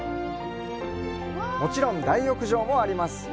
もちろん大浴場もあります。